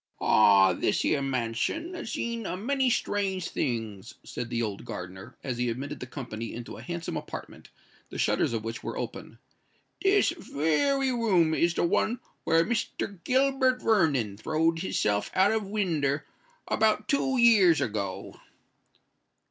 "Ah! this here mansion has seen a many strange things," said the old gardener, as he admitted the company into a handsome apartment, the shutters of which were open: "this wery room is the one where Mr. Gilbert Vernon throwed his self out of winder about two years ago."